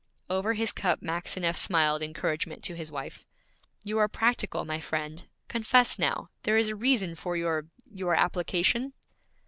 Over his cup Maxineff smiled encouragement to his wife. 'You are practical, my friend. Confess now, there is a reason for your your application?'